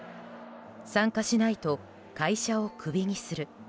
参加しないと会社をクビにする。